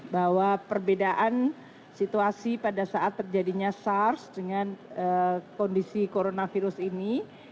bahwa perbedaan situasi pada saat terjadinya sars dengan kondisi coronavirus ini